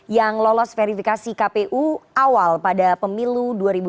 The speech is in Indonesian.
yang lolos verifikasi kpu awal pada pemilu dua ribu dua puluh